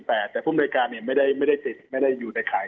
แต่ผู้มนวยการไม่ได้ติดไม่ได้อยู่ในข่าย